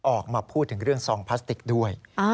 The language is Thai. ออกมาพูดถึงเรื่องซองพลาสติกด้วย